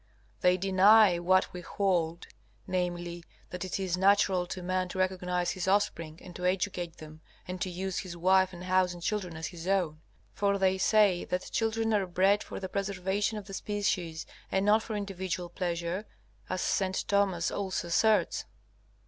They deny what we hold viz., that it is natural to man to recognize his offspring and to educate them, and to use his wife and house and children as his own. For they say that children are bred for the preservation of the species and not for individual pleasure, as St. Thomas also asserts.